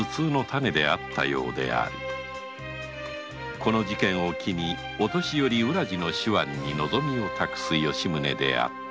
この事件を機に御年寄・浦路の手腕に望みを託す吉宗であった